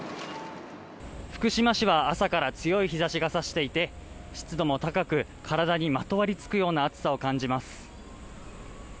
福島市は朝から強い日差しが差していて湿度も高く体にまとわりつくような暑さを感じます。